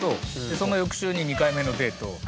その翌週に２回目のデート。